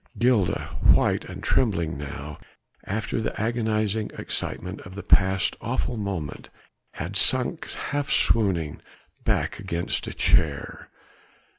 Gilda, white and trembling now after the agonizing excitement of the past awful moment, had sunk half swooning back against a chair.